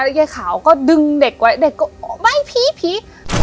ยายขาวก็ดึงเด็กไว้เด็กก็ไม่ผีผี